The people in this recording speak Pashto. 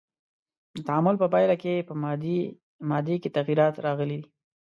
د تعامل په پایله کې په مادې کې تغیرات راغلی دی.